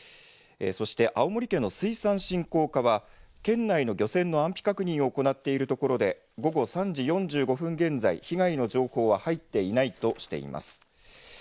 そして青森県の水産振興課は県内の漁船の安否確認を行っているところで午後３時４５分現在、被害の情報は入っていないとしています。